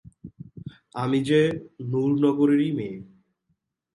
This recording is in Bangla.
আমি যে নুরনগরেরই মেয়ে।